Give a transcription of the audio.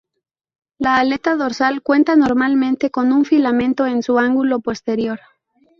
La aleta dorsal cuenta normalmente con un filamento en su ángulo posterior.